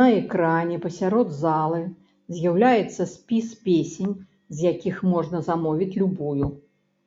На экране пасярод залы з'яўляецца спіс песень, з якіх можна замовіць любую.